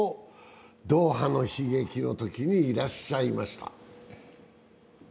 ドーハの悲劇のときにいらっしゃいました。